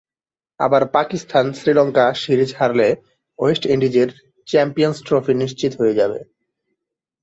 আবার পাকিস্তান শ্রীলঙ্কা সিরিজ হারলে ওয়েস্ট ইন্ডিজের চ্যাম্পিয়নস ট্রফি নিশ্চিত হয়ে যাবে।